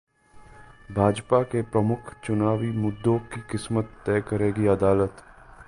भाजपा के प्रमुख चुनावी मुद्दों की किस्मत तय करेगी अदालत